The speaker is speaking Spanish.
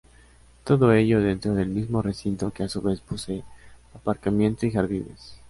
Todo ello dentro del mismo recinto que a su vez posee aparcamientos y jardines.